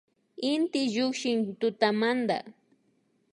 Inti llukshin tutamanta